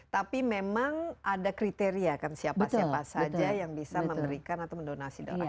tapi memang ada kriteria kan siapa siapa saja yang bisa memberikan atau mendonasi doang